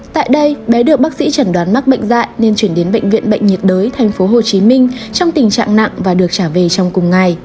tại đây bé được bác sĩ chẩn đoán mắc bệnh dạy nên chuyển đến bệnh viện bệnh nhiệt đới tp hcm trong tình trạng nặng và được trả về trong cùng ngày